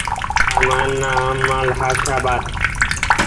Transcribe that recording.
তার মায়ের নাম মাহালসাবাঈ।